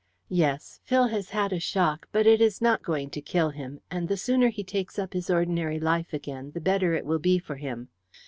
"Yes. Phil has had a shock, but it is not going to kill him, and the sooner he takes up his ordinary life again the better it will be for him.